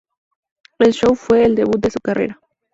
El show fue el debut de su carrera.